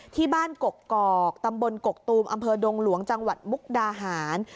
ที่บ้านกกอกตำบลกกตูมอำเภอดงหลวงจังหวัดมุกดาหาร